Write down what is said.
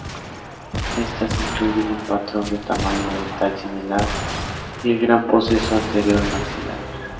Estas incluyen un patrón de tamaño dental similar y el gran proceso anterior maxilar.